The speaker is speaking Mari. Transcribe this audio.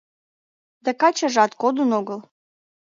Да качыжат кодын огыл.